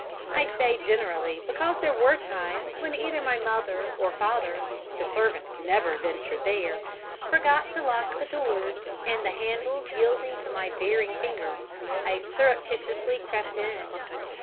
I say generally because there were times when either my mother or father the servants never ventured there forgot to lock the doors, and the handles yielding to my daring fingers, I surreptitiously crept in.